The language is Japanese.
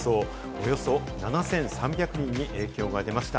およそ７３００人に影響が出ました。